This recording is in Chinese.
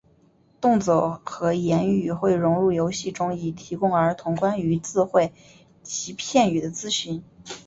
动作和言语会融入游戏中以提供儿童关于字汇及片语的资讯。